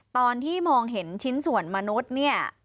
ตอนที่มองเห็นชิ้นส่วนมนุษย์เนี่ย